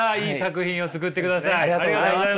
ありがとうございます。